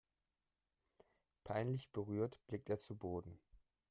Peinlich berührt blickte er zu Boden.